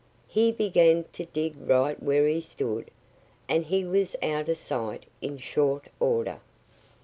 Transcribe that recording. He began to dig right where he stood. And he was out of sight in short order.